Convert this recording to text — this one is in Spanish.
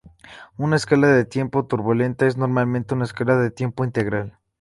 Esta escala de tiempo turbulenta es normalmente una escala de tiempo integral.